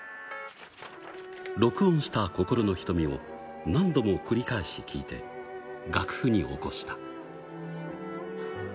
録音した心の瞳を何度も繰り返し聴いて、楽譜におこした。